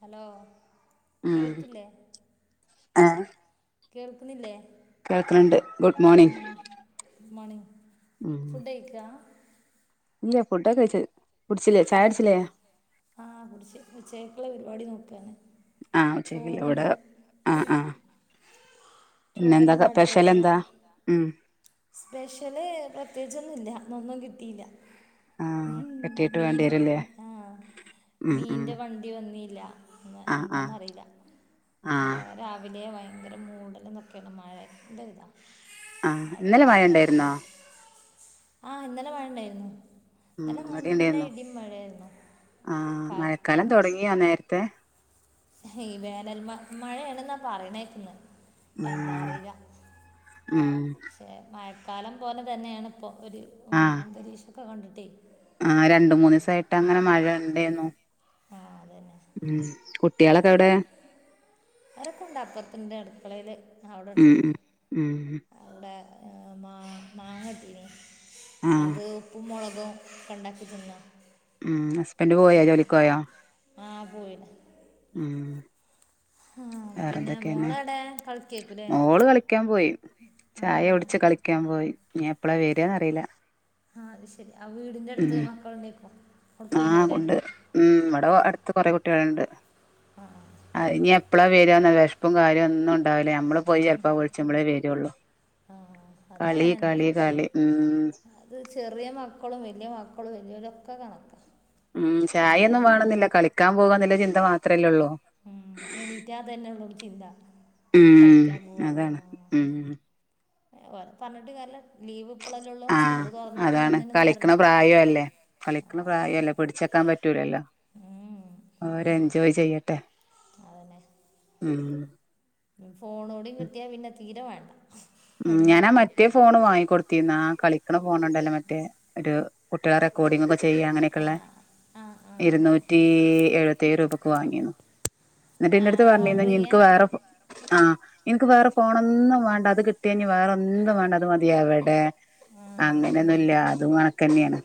Hello കേൾക്കില്ലെ? ആ. കേൾക്ക്ണില്ലേ? കേൾക്ക്ണ് ണ്ട് ഗുഡ് മോണിംഗ്. ഉം ഗുഡ്മോണിംഗ് ഫുഡ് കയിച്ച ഇല്ല ഫുഡൊക്കെ കയ്ച്ച് കുട്ച്ച്ലേ ചായകുടിച്ചില്ലേ ആഹ് കുട്ച്ച് ഉച്ചേക്കുള്ള പരിപാടി നോക്കാണ്. ആഹ് ഉച്ചക്കിലോട് അ ആഹ്. പിന്നെന്താ ചോറുണ്ട് അടുപ്പത്ത് സ്പെഷ്യലെന്താ ഉം. സ്പെഷ്യല് പ്രത്യേയ്ച്ചൊന്നുംല്ല ഇന്നൊന്നും കിട്ടില്യാ. ആഹ് ഉംഹ് കെട്ടിയിട്ട് വേണ്ടി മീല് വരൂല്ലേ ഹ് ആഹ് ഉം ഉം മീന്റെ വൺ. വണ്ടി വന്നീല ഹ്മ് ആഹ് ആഹ് എന്താന്നറീല ആഹ് ബടെ രാവിലെ വ ഒരു മൂടലുംതൊക്കേണ് മഴഉണ്ട് ആ ആഹ് ഇന്നലെ മയണ്ടേര്ന്നോ? ആ ഇന്നലെ മയണ്ടേര്ന്നു. ഉം ഇന്നലെ ഇവിടെ നല്ല ഉണ്ടായിരുന്നു ഇടി മഴര്ന്നു കാറ്റ് കലം തൊട്ങ്ങിയാ നേര്ത്തെ. ഈ വേനൽ മയ് മഴയാണ്ന്നാ പറിണേക്ക്ണ്. ഉം ഉം. ക്ഷേ മഴക്കാലം പോലെ മഴക്കാലം പോലെതന്നെയാണ് ഇപ്പോ ഒരു ആഹ് ഉംഅന്തരീക്ഷൊക്കെ കണ്ടിട്ടെ. ആഹ് രണ്ട് മൂന്ന്സായിട്ട് അങ്ങനെ മഴ ഇണ്ടേന്നു. ആ അത് തന്നെ ഉം കുട്ടിയാളൊക്കെ എവ്ടെ? അവരൊക്കെണ്ട് അപ്പൊർത്ത്ണ്ട് അടുക്കളേല് അവിടെണ്ട്. ഉം ഉം ഉം അവ്ടെ ഹ് മാ മാങ്ങട്ടീനി ആഹ് അത്. ഉപ്പും മൊളകും ക്കെണ്ടാക്കി തിന്നോ? ഉം ഹസ്ബന്റ് പോയോ ജോലിക്കോയോ? ആഹ് പോയി. ഉം. പിന്നെ വേറൊന്തെക്കേണ് മോളെവിടെ കളിക്കേക്കൂലേ മോള് കളിക്കാൻ പോയി. ആ ചായുടിച്ച് കളിക്കാൻ പോയി ഇഞ്ഞെപ്പ്ളാ വരാന്നറീല. ആഹ് അത് ശെരി ആ വീടിന്റെ അടുത്ത് മക്കൾ ഇണ്ടേക്കും. ആ ഉണ്ട് ഉം ഇബടെ അട്ത്ത് കൊറെ കുട്ട്യാള്ണ്ട്. അ ആഹ്. ആ ഇനി എപ്പളാ വരാന്ന് വെശ്‌പ്പും കാര്യൊന്നും ഉണ്ടാവൂല നമ്മള് പോയി ചെൽപ്പ വിള്ച്ച്മ്മളേ വര് ഒള്ളു ആ കളി കളി കളി ഉം. ഇത് ചെറിയ മക്കളും വലിയ മക്കളും വല്ല്യോലൊക്കെ കണക്കാ. ഉം ചായൊന്നും വേണെന്നില്ല കളിക്കാൻ പോകാന്നില്ല ചിന്ത മാത്രല്ലേള്ളൂ. ഉം എണീറ്റാ അതെന്നെള്ളു ചിന്ത. കളിക്കാൻ ഉം അതാണ് ഉം. ഏഹ് ഓലെ പർഞ്ഞിട്ടു കാര്യല്ല ലീവ് ഇപ്പളല്ലേ ഉള്ളൂ ആഹ് സ്കൂള് തൊർന്നാ പിന്നെ ഒന്നിനും നേരല്ല്യല്ലോ. കളിക്ക്ണ പ്രായല്ലേ പിടിച്ചെക്കാൻ പറ്റൂലല്ലോ. ഉം. ഉം. ഓരെൻജോയ് ചെയ്യട്ടെ ഉം. ഫോണോടീം കിട്ട്യാ പിന്നെ തീരെ വേണ്ട. ഉ ഒന്നും ഞാനാ മറ്റേ ഫോണ് വാങ്ങിക്കൊട്ത്തീന്ന് ആ കളിക്ക്ണ ഫോണ് ണ്ടല്ലോ മറ്റേ ഒരു. കുട്ട്യാളെ റെക്കോഡിങ്ങൊക്കെ ചെയ്യ ആ അങ്ങനെക്കെള്ള ആ ആ ഇരുന്നൂറ്റി എഴുപത്തേയ് രൂപ. ക്ക് വാങ്ങിന്നു ഇന്നിട്ടെന്റെ അടുത്ത് പർഞ്ഞീര്ന്നു ഓർഡർ ചെയ്യേ ഇഞ്ഞ്ൻക്ക് വേറെ. ആഹ് ഇൻക്ക് വേറെ ഫോണൊന്നും വേണ്ട അത് കിട്ട്. ട്ട്യാഞ്ഞ് വേറെ ഒന്നും വേണ്ട അത് മതി എവിടെ? ആഹ്. അങ്ങനെയൊന്നും ഇല്ല അതും കണ്ക്കെന്നേണ്.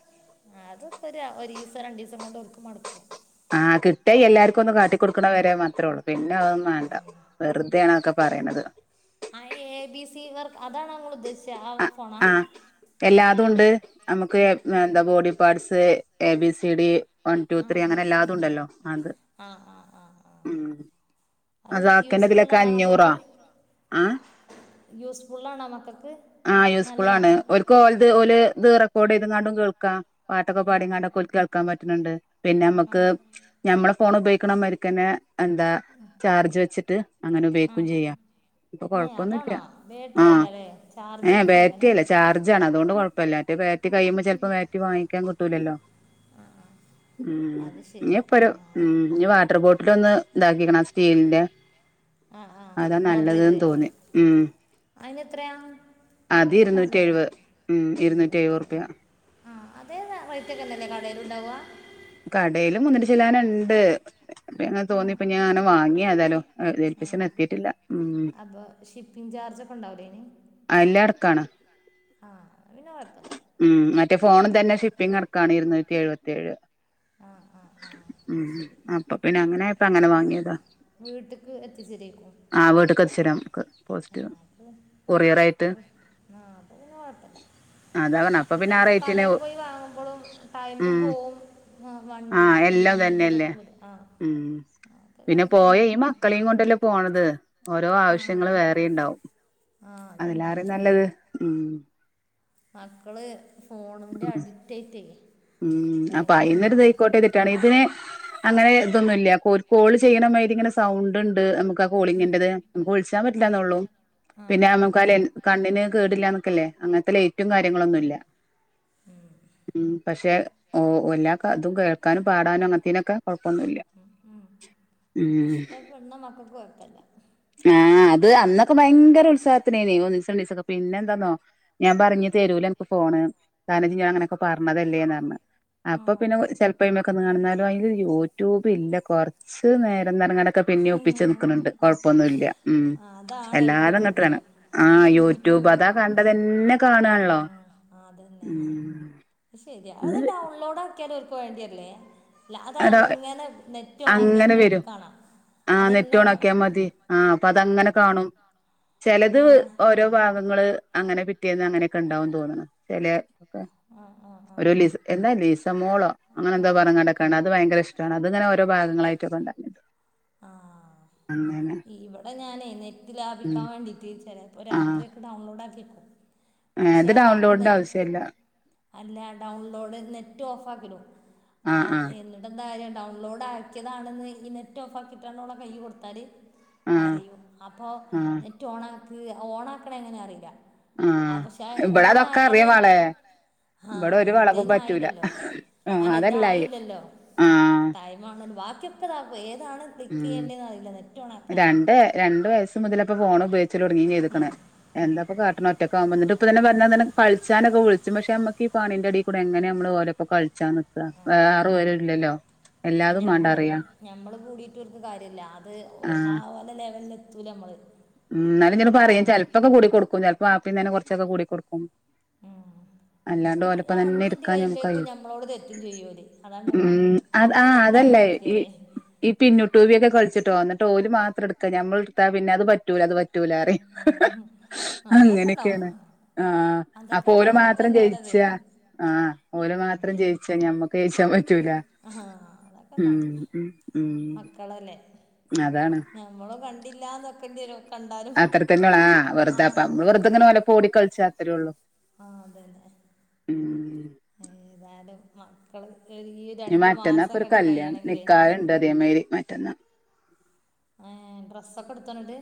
അതൊക്കെ ഒരു ഒരിസം രണ്ടിസം കൊണ്ട് ഒതുക്കും മടക്കും ആഹ് കിട്ടേ എല്ലാർക്കും ഒന്ന് കാട്ടിക്കൊടുക്കണ വരെ മാത്രേ ഉള്ളൂ പിന്നെ അതൊന്നും മേണ്ട വെറുതെയാണ് അതൊക്കെ പറയണത് ആഹ് എ ബി സി വർക്ക് അതാണ് നിങ്ങൾ ഉദ്ദേശിച്ച ആ ആഹ് ഫോണാ ആഹ് എല്ലാതുണ്ട് നമുക്ക് ഏഹ് [unintelligible] body parts A B C D one two ആ ത്രീ ആ അങ്ങനെ എല്ലാതും ഉണ്ടല്ലോ അത് ആ ആ ആ ആ ഉം അത് ആക്കന്റെ ഇതിലൊക്കെ യൂസ്ഫുള്ളാണോ അഞ്ഞൂറാ മക്കൾക്ക് ആഹ് യൂസ്ഫുള്ളാണോ മക്കൾക്ക് നല്ലതാണോ ഓല്ക്ക്‌ ഓല് ഓല് ഇത് റെക്കോർഡ് ചെയ്താങണ്ടും കേൾക്കാം പാട്ടൊക്കെ ആ പാടിങ്ങാണ്ടൊക്കെ കുൽക്കി നടക്കാൻ പറ്റുന്നുണ്ട് പിന്നെ ആ ഞമ്മക്ക് ഞമ്മളെ ഫോൺ ഉപയോഗിക്കണ മാരിക്കന്നെ എന്താ ചാർജ് വെച്ചിട്ട് അങ്ങനെ ഉപയോഗിക്കൂം ചെയ്യാം. ഇപ്പൊ ഏഹ് അതാണോ കൊഴപ്പൊന്നുല്ല ബാറ്ററി ആഹ് അല്ലാല്ലേ ഏഹ് ചാർജെയ്യണ സീനാ. ബാറ്ററി അല്ല ചാർജാണ് അതുകൊണ്ട് കൊഴപ്പല്ല. മറ്റേ ബാറ്ററി കഴിയുമ്പോ ചെലപ്പോ ബാറ്ററി വാങ്ങിക്കാൻ കിട്ടൂലല്ലോ. ആ ആ ഉം അത് ഇനി ശരി ആ എപ്പരോ ഉം ഇനി വാട്ടർ ബോട്ടിലൊന്ന് ഇതാക്കിക്കണ ആ സ്റ്റീലിന്റെ ആ ആ അതാ നല്ലതന്ന് തോന്നി. ഉം അയിനെത്രയാ? അത് കടയിലൊക്ക ഇരുന്നൂറ്റി നല്ലവെല എഴുപത് ഉം ഇരുന്നൂറ്റി എഴുപത് റുപ്യ എങ്ങാണ്ട് ആഹ് അതേ റേറ്റൊക്കെ തന്നെയല്ലേ കടേലുണ്ടാവ? കടേലും മൂന്നുറ്റി ചില്ലാനുണ്ട് അപ്പങ്ങനെ ആ തോന്നി ഇപ്പ ഞാനും വാങ്ങി ഏതായാലും. [unintelligible] പക്ഷേ ന്ന് എത്തിയിട്ടില്ല. ഉം അപ്പൊ ഷിപ്പിംഗ് ചാർജൊക്കെ ഉണ്ടാവില്ലയിന്? എല്ലാം അടക്കാണ്. ആഹ് അത്പിന്നെ കൊഴപ്പില്ല. ഉം മറ്റേ ഫോണ് തന്നെ ഷിപ്പിംഗ് അടക്കാണ് ഇരുന്നൂറ്റി എഴുപത്തിയേഴ്‌. ആഹ് ആഹ് ആഹ് ഉം അപ്പൊപിന്നെ അങ്ങനായപ്പ അങ്ങനെ വാങ്ങിയതാ. വീട്ടിലേക്ക് എത്തിച്ചേരേക്കും ആഹ് വീട്ട്ക്ക്‌ എത്തിച്ചെരും നമ്മക്ക് പോസ്റ്റ്മാൻ. അപ്പോ ആഹ് അപ്പോപിന്നെ കൊഴപ്പില്ല. അതാ പറഞ്ഞെ അപ്പൊ മറ്റേ പിന്നെ ആ നമ്മ റേറ്റിന് കടയിൽ പോയി വാങ്ങുമ്പോളു ടൈമും ഉം പോവും ആഹ് ആ വണ്ടി ഉം എല്ലാം വണ്ടീലൊക്കെ ഇതന്നെയല്ലേ പോണ്ടേ ആഹ് എക്കകണക്ക് തന്നെ അപ്പോ കളിയും കൊണ്ടല്ലേ പോണത് ഓരോ ആ ആവശ്യങ്ങള് വേറേണ്ടാവും ആ അതന്നെ അതിലാരും നല്ലത് ഉം മക്കള് ഫോണിന്റെ അഡിക്റ്റായിട്ടേ ഉം അപ്പൊ ഭയങ്കര അയിനൊരു ഇടങ്ങേറാണ് ഇതായിക്കോട്ടെ ചെലേതിന് അങ്ങനെ ഇതൊന്നുംല്ല കോൾ ചെയ്യണാരി ഇങ്ങനെ സൗണ്ട്ണ്ട്. നമു ക്ക കോളിങ്ങിന്റെത് നമുക്ക് വിളിച്ചാൻ പറ്റില്ലാന്നൊള്ളൂ ആ പിന്നെ ആ നമുക്കല് കണ്ണിന് കേടില്ലാന്നൊക്കല്ലേ അങ്ങനത്തെ ലൈറ്റും കാര്യങ്ങളൊന്നുല്ല. ഉം പക്ഷെ ഓ ഓല്ലാ അതും കേൾക്കാനും പാടാനും അങ്ങനത്തേനൊക്കെ കൊഴപ്പമൊന്നുല്ല. ഉം. ഇഷ്ടപ്പെടുന്ന മക്കക്ക് കൊയപ്പില്ല ആഹ് അത് അന്നൊക്കെ ഭയങ്കര ഉത്സാഹത്തിനേനി ഒന്നിസം രണ്ടിസൊക്കെ പിന്നെ എന്താന്നോ ഞാൻ പറഞ്ഞ് തെരുല്ല അൻക്ക് ഫോണ്, കാരണം നീ അങ്ങനെയൊക്കെ പറഞ്ഞതല്ലേന്ന് പറഞ്ഞ് ആ അപ്പൊ പിന്നെ ചെൽപ്പേമൊക്കെന്ന് കാണുന്നാലും അയില് യൂട്യൂബില്ല കൊറച്ച് നേരം [unintelligible] ക്കെ പിന്നേം ഒപ്പിച്ച് നിക്കണുണ്ട്. കൊഴപ്പമൊന്നുല്ല്യ ഉം ആ, അതാണ് അവർക്ക് എല്ലാരും വേണ്ടി അങ്ങട്ടാണ് ആഹ് യൂട്യൂബ് അതാ കണ്ടതന്നെ കാണാൺള്ളോ ആഹ് അതന്നെ ശരിയാ അത് ഡൗൺലോഡ് ആക്കിയാലുവർക്ക് വേണ്ടിയല്ലേ ല്ല അത് അങ്ങനെ നെറ്റ് അങ്ങനെ ഓണാക്കിയേക്കുന്നോർക്ക് വരും കാണാം ആഹ് അതന്നെ വേണം നെറ്റോണാക്കിയാ മതി. ആഹ് അപ്പ ആ അതങ്ങനെ കാണും. ചെലത് ഞാൻ ഓരോ ഭാഗങ്ങള് അങ്ങനെ പിറ്റേന്ന് അങ്ങനെയൊക്കെ ഉണ്ടാവുന്ന് തോന്നണ്. ചെലേ ആ ആ ആ ഒരു ലിസ്‌ എന്താ ലിസമോളോ അങ്ങനെന്തോ ആ പറഞ്ഞാണ്ട്ക്കാണ്. അത് ഭയങ്കര ഇഷ്ടാണ്. അത് ഇങ്ങനെ ഓരോ ഭാഗങ്ങളായിട്ടാ കണ്ടേ ആഹ് ഇവടെ ഞാനേ നെറ്റ് ഉം ലാഭിക്കാൻ വേണ്ടിട്ട് ചെലപ്പൊ രാത്രിയൊക്കെ ഡൗൺലോഡാക്കി വെക്കും. ആഹ് പക്ഷെ ഇത് ആ ഡ നെറ്റ് ഡൗൺലോഡിന്റാവിശ്യല്ല. അല്ല ഡൗൺലോഡ് നെറ്റ് ഓഫാക്കിടും ആ ആഹ് ആഹ് എന്നിട്ട് എന്താ കാര്യം ഡൗൺലോഡ് ആക്കിയതാണെന്ന് ഈ നെറ്റ് ഓഫാക്കിയിട്ടാണോള്ള കയ്യി കൊടുത്താല് ആഹ് പറയും അപ്പൊ ആഹ് നെറ്റ് ഓണക്ക് ഓണാ ക്ക്ണേ എങ്ങനെ അറീല്ല.. ആഹ് പക്ഷെ ഇബടെ അതൊക്കെ അറിയ ഓണയാല് മാളെ ഇബടെ ആഹ് ഒരു വളവും ഇതയ്ന് പറ്റൂല ആയില്ലല്ലോ ആഹ് അല്ല അതല്ലായി ഇതായില്ലല്ലോ ആഹ് ടൈം [unintelligible] ബാക്കി ഒക്കെ ഇതാകൊ ഏതാണ് ക്ലിക്ക് ഉം ചെയ്യേണ്ടേനറിയൂല നെ രണ്ട് രണ്ടു വയസ്സ് മുതലപ്പോ ഫോൺ ഉപയോഗിച്ചല് തൊടങ്ങിയിരിക്ക്ണ എന്താപ്പൊ കാട്ട്ണ ഒറ്റക്കാവുമ്പോ എന്നിട്ട് ഇപ്പ തന്നെ പറഞാ തന്നെ കളിച്ചാനൊക്കെ വിളിച്ചു പക്ഷെ നമ്മക്ക് ഈ പണിന്റെടേകൂടെ എങ്ങനെ നമ്മള് ഓര ഇപ്പ കളിച്ച ന്ക വേറേ ആരുംഇല്ലല്ലോ ഞമ്മള് ഞമ്മള് കൂടിട്ട് ഓല്ക്ക് കാര്യല്ല അത് ആഹ് ഓലെ ലെവലിൽ എത്തൂല നമ്മള് ഉം ന്നാലും ഇങ്ങനെ പറയും ചെലപ്പൊക്കെ കൂടിക്കൊടുക്കും ചെൽപ്പേ വാപ്പിതന്നെ കോറച്ചൊക്കെ കൂടിക്കൊടുക്കും. ഉം. അല്ലാണ്ട് ഒരു ഓലപ്പ തന്നെ അഞ്ച് മിനിറ്റ് ഇരിക്കാൻ നമ്മക്ക് കഴിയുമ്പോഴേക്കും കഴിയോ നമ്മളോട് തെറ്റും ചെയ്യൂല് അതാണ് ഇവ. ഉം അത് ആഹ് അങ്ങനല്ല അമ്മ അതല്ലഹ് ഈ എത്തിയറേ ഈ പിന്നു ട്ടുവിയൊക്കെ കളിച്ചുട്ടോ ന്ന്ട്ട് ഓല് മാ എട്ക്ക ഞമ്മള്ട്താ പിന്നെ അത് പറ്റൂല അത് പറ്റൂല ല്ലറി അതൊക്കെ അങ്ങനെ ഉണ്ടാവും ക്കെണ് ആഹ് അതൊക്കെ അപ്പൊ ഓല്ല് ഉണ്ടാവും അതൊക്കെ മാത്രം തന്നെ ജയിച്ച ഓരത് ആഹ് ഓല് മാത്രം ജയിച്ച ഞമ്മ ജയിചാം പറ്റൂല ആഹാ അതൊക്കെ ഉം ഉണ്ടാവും ഉം ആഹ് നമ്മള് കണ്ടില്ലാന്നുവെക്കേണ്ടിവരും അത്ര തന്നെള്ളു ആഹ് വെറുതേ അപ്പ നമ്മള് റുതെ ഇങ്ങനെ ഓലപ്പം ഓടി കളിച്ച അത്രേ ഒള്ളു. ആഹ് അതന്നെ ഉം ഏതാലും മക്കള് [unintelligible] മറ്റന്നാ മാസം ഇപ്പൊ ഒരു ഇങ്ങട്ട് കല്യാണം കഴിയണെങ്കിലേ നിക്കാഹ്ണ്ട് അതേമാരി മറ്റന്നാ ഏ ഡ്രസ്സൊക്കെ എട്തോന്ന്ട്ട്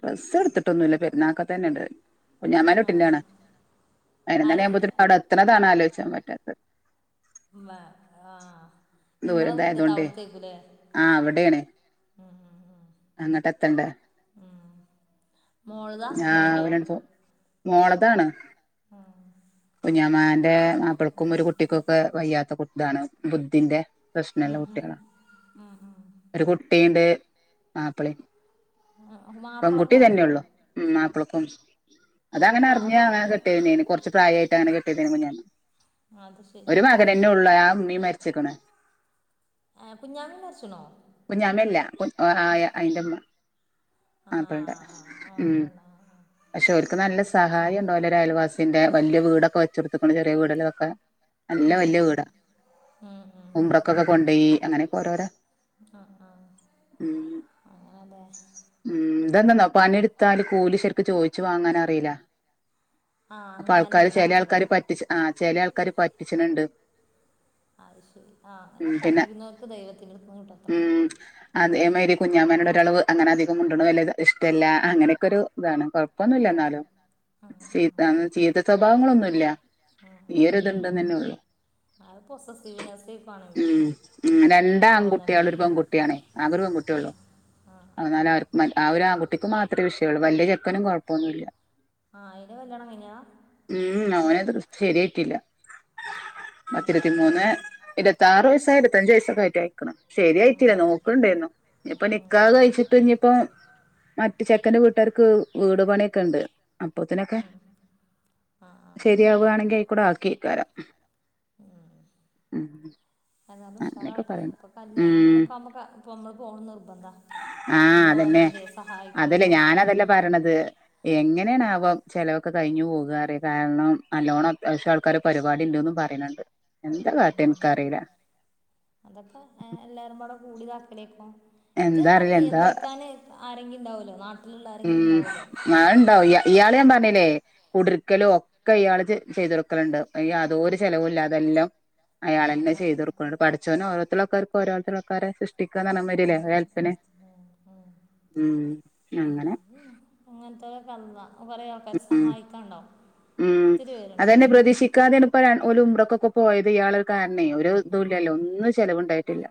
ഡ്രസ്സ് എട്ത്ത്ട്ടൊന്നുല്ല പെരുനാകത്തന്നെണ്ട് കുഞ്ഞമ്മന്റെ ആഹ് ക്കുട്ടിറ്റാണ് പയിന്നണി ആരെ ആവുമ്പോത്തിന് അഹുടെ എത്ത്ണത് ആണ് ആലോചാം പറ്റാത്തത് വ ആഹ് ഇങ്ങളെ വീട്ട്ത്തെ അഹുട്കെ ക്കുല്ലേ ആഹ് അവിടെണ്. ഉം ഉം ഉം അങ്ങട്ട് എത്തണ്ടെ ഉം മോൾതാ ഞാ മോൻ്റോ [unintelligible] പോ മോളതാണ്. ഉം കുഞ്ഞമാന്റെ മാപ്പൾക്കും ഒരു കുട്ടികൊക്കെ വയ്യാത്ത താണ് ബുദ്ധിന്റെ പ്രശ്നള്ള ഉം കുട്ട്യാള ഉം ഉം ഒരു കുട്ടീണ്ട് മാപ്പള്ളീം ഉം മാപ്പളക്കും പെൺകുട്ടിതന്നോള്ളൂ ഉം മാപ്പളക്കും അത് അങ്ങനെ അപ്പൊ അപ്പൊ അറിഞ്ഞങ്ങനെ കെട്ടെനെനി കൊറച്ച് പ്രായായിട്ട അങ്ങനെ കെട്ടിയതെനി അത് ശരി ഒരു പ്പ തന്നെ ഒള്ളു ആഹ് മീം മരിച്ച്ക്ക്ണ് ഏ കുഞ്ഞാമീം മര്ച്ച്ണോ കുഞ്ഞാമല്ല കു ആഹ് അയിന്റെമ്മ ആ മാപ്പന്റെ ആ ആ ആ ഉം അപ്പോൾ പക്ഷെ ഓല്ക്ക് നല്ല സഹായുണ്ടാ വോല ഒരായാൽവാസീന്റ വല്ല്യ വീട വെചോടത്തേക്കാണ് ചെറിയ വീട ലൊക്കെ നല്ല വല്യ വീടാ ഉംറ കോക്കെ കൊണ്ടോയ്യി അങ്ങനൊക്കെ ഓരോരോ ആഹ് ആഹ് ഉം അങ്ങനെ ല്ലേ ഉം ഇതെന്താെന്നാ പണി ട്ത്താല് കൂലി ശെരിക്ക് ചോയിച്ചു വാങ്ങാനറീല്ല ആഹ് അങ്ങനെ ഇള്ള ആള് ക്കാര് പറ്റിച് ആഹ് ചേലെ ആൾക്കാര് പറ്റിച്ച്ണണ്ട് അഹ് ശെരി ആഹ് എന്ന ഉം പിന്നെ പറ്റിക്കുന്നോർക്ക് ദൈവത്തിന്റെടുത്ത്ന്ന്കിട്ടും അത്ര ഒള്ളൂ അതേ മേരി കുഞ്ഞമ്മേനൊരളവ് അങ്ങനെ അധികം മിണ്ടാണത് ല്ലെ ഇഷ്ടല്ല അങ്ങനെയൊക്കെ ഒരു ഇതാണ് കോഴ് - പ്പോന്നില്ല ആ എന്നാലു ആ ചീത്ത ആ ചീത്ത സ്വഭാവങ്ങളൊന്നു-ഇല്ല ഇല്ല ഒരു ഇത്ണ്ടെന്ന് തന്നെ ഒള്ളൂ ആള് പൊസസീവ്നെസേകുണെങ്കി ഉം ഉം രണ്ടാ ആൺകുട്ടിയാളും ഒരു പെൺകുട്ടിയാണെ ആകെ ഒരു പെൺകുട്ടി ആ യെള്ളു ആ ആ അന്നാലാര് മാറ്റ് ആ ഒരു ആൺകുട്ടിക്ക് മാത്രമേ വിഷയാള്ളൂ വലിയ ചെക്കനും കുഴപ്പപ്പോന്നുല്ലാ ആഹ് അയിന്റെ കല്യാണം കഴിഞ്ഞാ ഉം ഓന് ശെരിയട്ടില്ല അത് ശരി പത്തിരുത്തിമൂന്നെ ഇരുപത്താര് വയസ്സായി ഇരുത്തഞ്ച് വയസ്സൊക്കെ ആയിട്ടായിരിക്കണ് ശെരിയട്ടില്ല നോക്കണ്ടേരുന്നു നിപ്പ ഉം, നിക്കാഹ് ഉം, കഴിച്ചിട്ട് ഇനിപ്പം മറ്റ് ചെക്കന്റെ വീട്ടാർക്ക് വീട് പണിയൊക്കെ ഇണ്ട് അപ്പത്തിനൊക്കെ ഉം. ആ ആ ആ ശെരിയാവാണെങ്കി ആയിക്കൂടെ ആക്കിക്കരാം ഉം അതാർണ അങ്ങനെയൊക്കെ ഉഷാറട്ടെ പറയണ്ട് ഇപ്പ കല്യ ഉം അങ്ങനെക്കെമ്മാക്കാ പോമ്മള് പോണന്ന് നിർബന്ധാ ആഹ് നമ്മള് ഓലാതിലെ സഹായിക്കണന്തൊക്കെ വേണം ക്കാണതെ എങ്ങനെയണവാം ചെലവൊക്കെ കഴിഞ്ഞു പോകാറ് കാർണം നല്ലോണ്ണം അത്യാവശ്യം ആൾക്കാര് പരിപാടിണ്ട്ന്ന് പറയണണ്ട് എന്താ കാട്ടാനിക്കറിയില്ല അതൊക്കെ എ എല്ലാരുവടെ കൂടിതാഭിനെക്കും എന്താ ഇതെന്താ അറിയില്ല എന്താ നിയന്ത്രിക്കാന് ആരെങ്കിണ്ടാവുല്ലോ നാ- ഉം മണ്ടാവും ഇ ഇയാള് ഞാൻ പറഞ്ഞില്ലേ കുട്രിക്കാലോ ഒക്കെ ഇയാള് ചെ ചെയ്തൊടുക്കലുണ്ട് യാതൊരു ചെലവുല്ലതെല്ലാം ആ അയാളെന്നെ ആ ചെയ്ത്ടുക്കണ് പഠിച്ചോനെ ഓരോത്തുള്ളക്കർക്ക് ഓരോത്തുള്ളക്കാരെ സൃഷ്- [unintelligible] ഷ്ടിക്കാന ഒരു ഹെൽപ്പിന് രു അങ്ങനത്തെ ക അള്ളാ കുറെ ആൾക്കാരെ ഉം സഹായിക്കാണ്ടാവും ഉം അതന്നെ പ്രതീക്ഷിക്കാതെണ് ഓല് ഉംറക്ക് ഒക്കെ പോയത് ഇയാള് കർണേ ഒര് ഇതു ഉം, ഇല്ലല്ലോ ഒന്നു ചിലവുണ്ടായിട്ടില്ല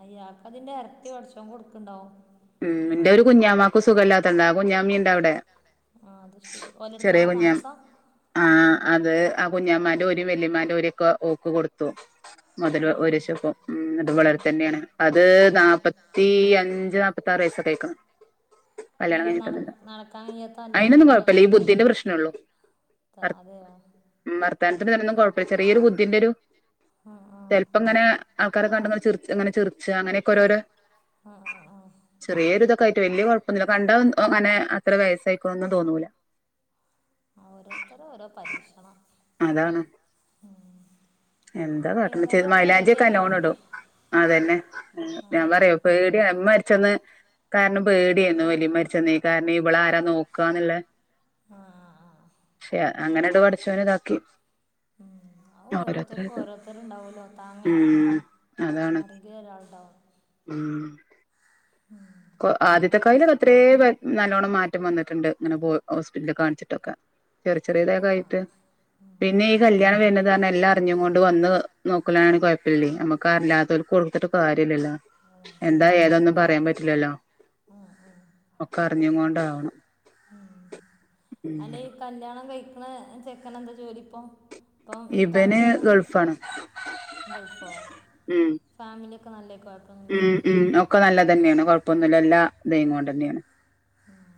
അയാക്ക് അതിന്റെ ഇരട്ടി പടച്ചേ കൊടുക്കിണ്ടാവും ഉം എന്റെ ഒരു കുഞ്ഞാമ്മക്ക് സുഖല്ലാത്തണ്ട് ആ കുഞ്ഞാമി ഇണ്ട് അവിടെ ആഹ് അത് ശെരി ഓലെടുത്താ താമസം ആഹ് അത് ആ കുഞ്ഞാന്മന്റോര് വെല്ലിമ്മന്റോരെക്കെ ഓക്ക് കൊടുത്തു ആ മുതല് ആ ഒരുശപ്പം ഉം എന്നിട്ട് വളർതന്നെയാണ് അത് നാല്പ്പത്തി അഞ്ച് നാ- പത്താറ് വയസ്സക്കെ ആയിക്കണ് ആന്ത്‌ നട നടക്കാൻ കഴിയാത്ത അല്ലെ അയിനൊന്നും വേറെ- കുഴപ്പല്ല ഈ ബുദ്ധിന്റെ പ്രശ്നള്ളൂ ത്താ അതെയോ ഉം മാർത്താനത്തിന് തെനൊന്നും കുഴപ്പി ചെറിയൊരു ബുദ്ധിന്റെ ഒരു ആ ആ ചെൽപ്പങ്ങന ആൾക്കാരെ കണ്ടെന്ന് ചിറിച്ച് അങ്ങനെ ചിറിച്ചാ അങ്ങനെക്കെ ഓരോരോ അ അ അ ചെറിയെര് ഇതൊക്കെയിട്ട് വേല്യ കുഴപ്പൊന്നില്ല കണ്ടാ ഓന്ന് ഓ അങ്ങനെ അത്ര വയസ്സായിക്കണൊന്നും തോന്നൂല ആഹ് ഓരോത്തര ഓരോ പരീക്ഷണം അതാണ് ഉം എന്താ കാട്ടണ ചെ ഏതായാലും ഒക്കെ മൈലാഞ്ചിക്കെ റെഡിയാക്കി നല്ലോണം കൊടുക്കട്ടെ ഇടും ആഹ് അതന്നെ ആ ഞാൻ പറയാ പേടിയമ്മ മരിച്ചന്ന് കാരണം പേടിയന്നു വേല്ലിമ്മ മരിച്ചെന്നെ കാരണം ഇവള ആരാ നോക്കാന്നുള്ളെ ആഹ് ശെയാ അങ്ങനട് പടച്ചോനിതാക്കി ആഹ് ഓരോത്തക്കും ഓരോത്തരുണ്ടാവുല്ലോ താങ്ങീറ്റ് ഉം അതാണ് ആരെങ്കിലും ഒരാള്ണ്ടാവും ഉം കോ ഉം. ആദ്യത്തെ കായില് എത്രയെ ബേ നല്ലോണം മാറ്റം വന്നിട്ടുണ്ട് ഇങ്ങനെ പോ ഹോസ്പിറ്റലി കാണിച്ചിട്ടൊക്കെ ചെറി ആ ചെറിയതൊക്കെ ആയിട്ട് ഉം പിന്നെ ഈ കൽ കല്യാണം വെര്ണത് പറഞ്ഞാ എല്ലാം അറിഞ്ഞും കൊണ്ട് വന്ന് നോക്കലാണ് കൊയപ്പില്ലേ നമ്മക്ക് അല്ലാത്തോർക്ക് കൊടുത്തിട്ട് കാര്യല്ലല്ലോ. ആ എന്താ ശരിയാ ഏതാന്ന് പറയാ പറ്റ് റ്റില്ലല്ലോ ആ ആ ഒക്കെ അറിഞ്ഞു കൊണ്ടാവണം. ഉം, ഉം അല്ലെ ഈ കല്യാണം കഴിക്കണ ചെക്കനെന്താ ജോലി ഇപ്പം? ഇപ്പം നിക്കാഹ് ഇബന് ഇണ്ട് പർഞ്ഞെ ഗൾഫാണ് ഗൾഫോ? ഉം ഫാമിലി ഒക്കെ നല്ലേ [unintelligible] ഉം ഉം ഒക്കെ നല്ലതന്നെയാണ് കൊഴപ്പൊന്നുല്ല എല്ലാതായി കൊണ്ടെന്നെയാണ്. ഉം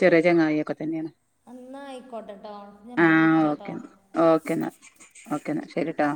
ചെറിയ ചെങ്ങായി ഒക്ക തന്നെയണ്. അന്നാ ആയിക്കോട്ടെട്ടോ ഞാൻപ്പോ വിളിക്കാട്ടോ. ഓക്കേ ന്നാ ഓക്കേ ന്നാ ശരിട്ടൊ.